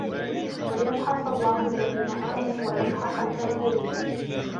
وليمحص الله الذين آمنوا ويمحق الكافرين